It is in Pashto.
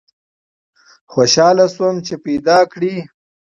خوشحاله سوم چي پیداکړې